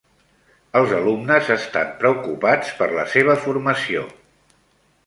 Els alumnes estan preocupats per la seva formació.